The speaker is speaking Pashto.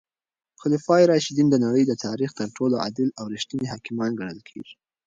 خلفای راشدین د نړۍ د تاریخ تر ټولو عادل او رښتیني حاکمان ګڼل کیږي.